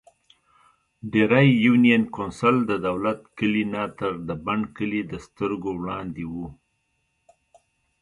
ډېرۍ يونېن کونسل ددولت کلي نه تر د بڼ کلي دسترګو وړاندې وو ـ